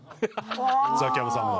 ザキヤマさんが。